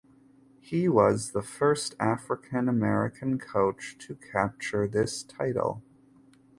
He was the first African American coach to capture this title.